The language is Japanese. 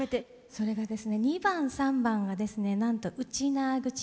それがですね２番３番がですねなんとウチナーグチ